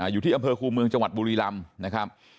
อยู่ที่อำเภอคูเมืองจังหวัดบุรีลำนะครับ